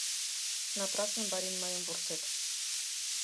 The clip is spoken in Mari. — Напрасно, барин, мыйым вурсет.